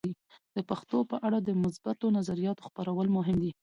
د پښتو په اړه د مثبتو نظریاتو خپرول مهم دي.